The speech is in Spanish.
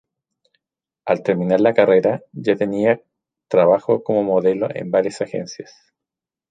Al terminar la carrera ya tenía trabajo como modelo en varias agencias.